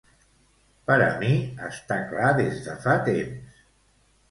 Per a mi està clar des de fa temps.